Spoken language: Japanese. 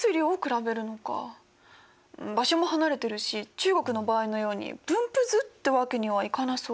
場所も離れているし中国の場合のように分布図ってわけにはいかなそう。